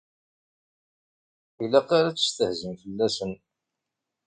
Ur ilaq ara ad testehzim fell-asen.